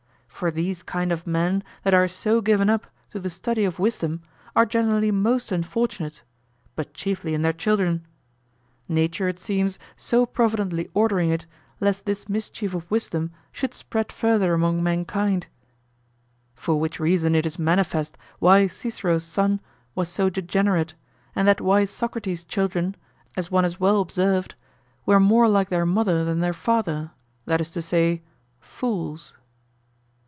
For these kind of men that are so given up to the study of wisdom are generally most unfortunate, but chiefly in their children; Nature, it seems, so providently ordering it, lest this mischief of wisdom should spread further among mankind. For which reason it is manifest why Cicero's son was so degenerate, and that wise Socrates' children, as one has well observed, were more like their mother than their father, that is to say, fools.